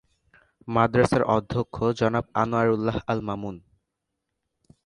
মাদ্রাসার অধ্যক্ষ জনাব আনোয়ার উল্লাহ আল মামুন।